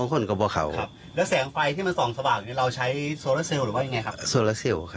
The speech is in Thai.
ครับแล้วแสงไฟที่มันส่องสบากเนี้ยเราใช้หรือว่ายังไงครับ